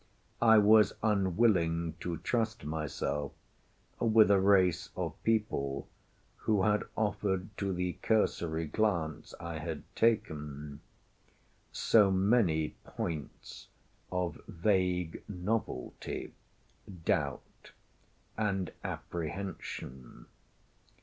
I was unwilling to trust myself with a race of people who had offered, to the cursory glance I had taken, so many points of vague novelty, doubt, and apprehension.